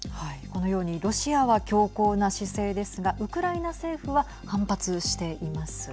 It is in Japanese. このようにロシアは強硬な姿勢ですがウクライナ政府は反発しています。